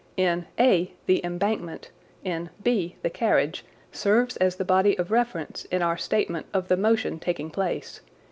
In (a) the embankment, in (b) the carriage, serves as the body of reference in our statement of the motion taking place.